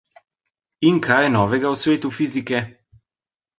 In kaj je novega v svetu fizike?